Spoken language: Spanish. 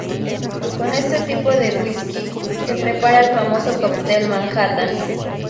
Con este tipo de whiskey se prepara el famoso cóctel Manhattan.